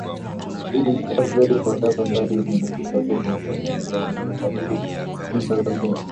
i mstaafu lewis makame ambaye ni mwenyekiti wa tume ya uchanguzi nchini tanzania